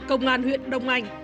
công an huyện đồng anh